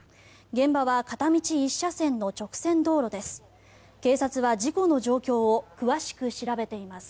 現場は片道１車線の直線道路です。